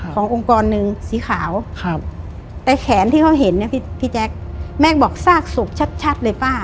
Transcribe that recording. ขององค์กรนึงสีขาวครับแต่แขนที่เขาเห็นน่ะพี่พี่แจ๊คแม่คบอกสลากศุกร์ชัดชัดเลยป้า